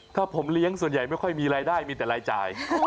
ถ้าผมเลี้ยงส่วนใหญ่ไม่ค่อยมีรายได้มีแต่รายจ่าย